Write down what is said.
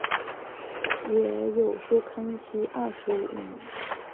也有说是康熙廿五年。